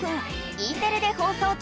Ｅテレで放送中